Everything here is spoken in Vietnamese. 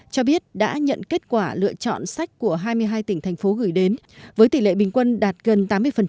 cho biết đã nhận kết quả lựa chọn sách của hai mươi hai tỉnh thành phố gửi đến với tỷ lệ bình quân đạt gần tám mươi